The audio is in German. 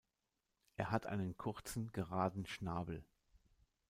Es hat einen kurzen geraden Schnabel.